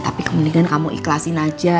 tapi kemudian kamu ikhlasin aja